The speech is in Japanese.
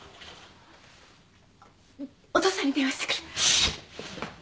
お父さんに電話してくる。